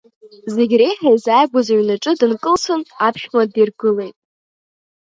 Зегь реиҳа изааигәаз аҩнаҿы дынкылсын аԥшәма диргылеит.